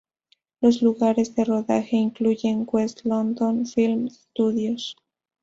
Los lugares de rodaje incluyen West London Film Studios.